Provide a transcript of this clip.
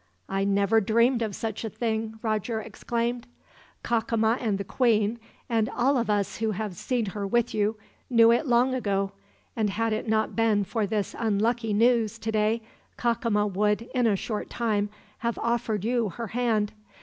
"I never dreamed of such a thing," Roger exclaimed. "Cacama and the queen, and all of us who have seen her with you, knew it long ago; and had it not been for this unlucky news, today, Cacama would, in a short time, have offered you her hand.